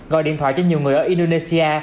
gọi điện thoại cho nhiều người ở indonesia